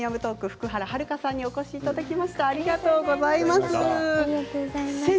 福原遥さんにお越しいただきました。